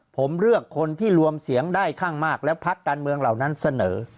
ผมเลือกคนที่รวมเสียงได้ข้างมากแล้วพักการเมืองเหล่านั้นเสนอ